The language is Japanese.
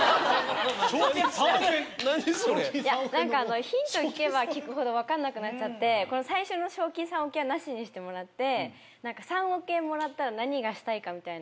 賞金３億円⁉何それ⁉ヒント聞けば聞くほど分からなくなっちゃって最初の「賞金３億円」はなしにしてもらって３億円もらったら何がしたいかみたいな。